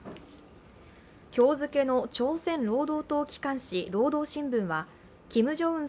今日付の朝鮮労働党機関紙「労働新聞」はキム・ジョンウン